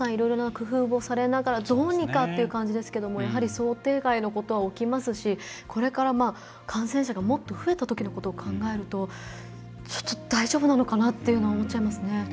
いろんな工夫をされながら、どうにかっていう感じですけどやはり想定外のことは起きますしこれから感染者がもっと増えたときのことを考えるとちょっと大丈夫なのかなと思っちゃいますね。